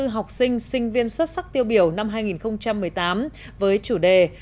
hai mươi học sinh sinh viên xuất sắc tiêu biểu năm hai nghìn một mươi tám với chủ đề